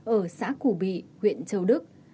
ở xã củ bị huyện châu đức